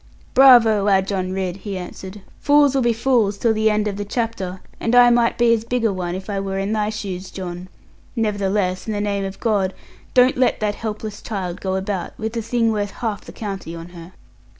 'Bravo, our John Ridd!' he answered; 'fools will be fools till the end of the chapter; and I might be as big a one, if I were in thy shoes, John. Nevertheless, in the name of God, don't let that helpless child go about with a thing worth half the county on her.'